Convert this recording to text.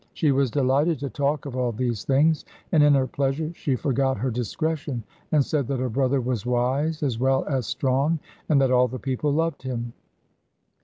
She was delighted to talk of all these things, and in her pleasure she forgot her discretion, and said that her brother was wise as well as strong, and that all the people loved him.